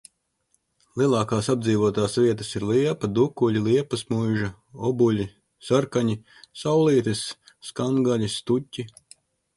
Lielākās apdzīvotās vietas ir Liepa, Dukuļi, Liepasmuiža, Obuļi, Sarkaņi, Saulītes, Skangaļi, Stuķi.